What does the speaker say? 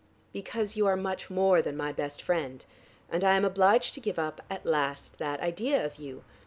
"Because you are much more than my best friend, and I am obliged to give up, at last, that idea of you.